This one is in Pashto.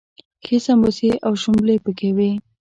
ښې سمبوسې او شلومبې پکې وي.